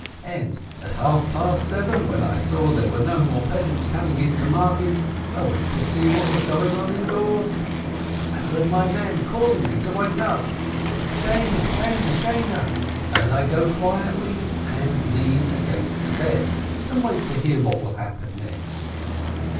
And at half past seven, when I saw there were no more peasants coming in to market, I went to see what was going on indoors. I heard my man calling me to wake up: 'Sheine, Sheine, Sheine!' and I go quietly and lean against the bed, and wait to hear what will happen next.